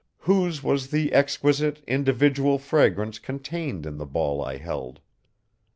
Whose was the exquisite, individual fragrance contained in the ball I held?